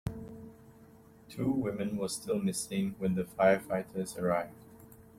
Two women were still missing when the firefighters arrived.